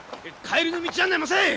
帰りの道案内もせい！